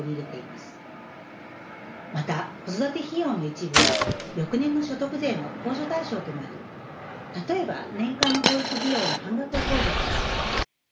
また子育て費用の一部は翌年の所得税の控除対象となり例えば年間の保育費用の半額が控除されます。